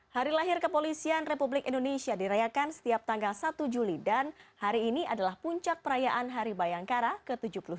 hari lahir kepolisian republik indonesia dirayakan setiap tanggal satu juli dan hari ini adalah puncak perayaan hari bayangkara ke tujuh puluh tiga